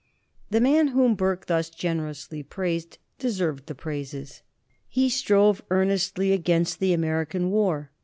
The man whom Burke thus generously praised deserved the praises. He strove earnestly against the American war.